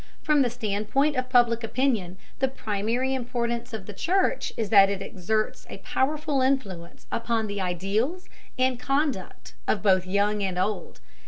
From the standpoint of Public Opinion, the primary importance of the church is that it exerts a powerful influence upon the ideals and conduct of both young and old.